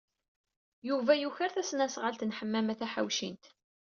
Yuba yuker tasnasɣalt n Ḥemmama Taḥawcint.